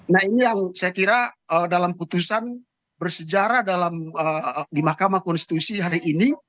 nah ini yang saya kira dalam putusan bersejarah di mahkamah konstitusi hari ini